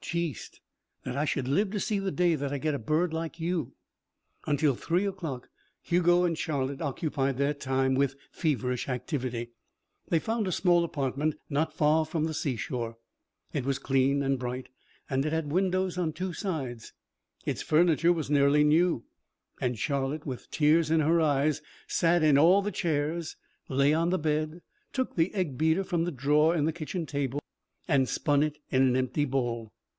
"Jeest! That I should live to see the day I got a bird like you." Until three o'clock Hugo and Charlotte occupied their time with feverish activity. They found a small apartment not far from the sea shore. It was clean and bright and it had windows on two sides. Its furniture was nearly new, and Charlotte, with tears in her eyes, sat in all the chairs, lay on the bed, took the egg beater from the drawer in the kitchen table and spun it in an empty bowl.